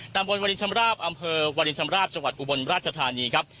ตำบลวรินชำราบอำเภอวรินชำราบจังหวัดอุบลราชธานีครับ